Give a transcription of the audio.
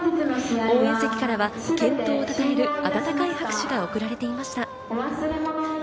応援席からは健闘をたたえる温かい拍手が送られていました。